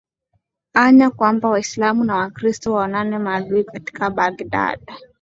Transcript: anya kwamba waislamu na wakristo waonane maadui katika baghdad